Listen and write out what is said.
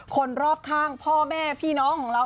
คนรอบข้างพ่อแม่พี่น้องของเรา